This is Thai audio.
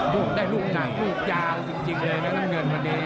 ลูกได้ลูกหนักลูกยาวจริงเลยนะน้ำเงินวันนี้